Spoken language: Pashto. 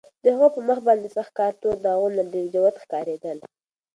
د هغه په مخ باندې د سخت کار تور داغونه ډېر جوت ښکارېدل.